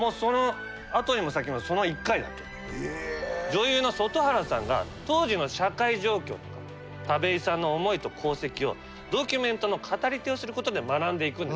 女優の外原さんが当時の社会状況とか田部井さんの思いと功績をドキュメントの語り手をすることで学んでいくんです。